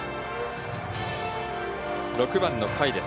６番の甲斐です。